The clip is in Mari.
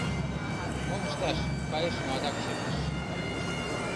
Мом ышташ, кайышым адак черкыш.